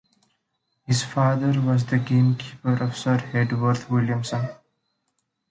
His father was the game keeper of Sir Hedworth Williamson.